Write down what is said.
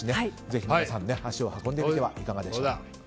ぜひ皆さん足を運んでみてはいかがでしょうか。